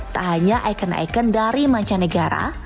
tak hanya ikon ikon dari mancanegara